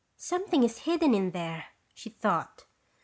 "Something is hidden in there," she thought.